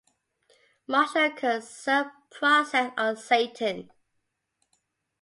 Marshal could serve process on Satan.